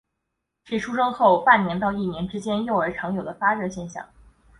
是出生后半年到一年之间的时候幼儿有发生的发热现象。